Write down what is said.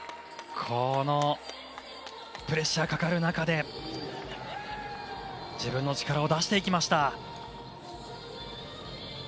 プレッシャーがかかる中で自分の力を出していきました。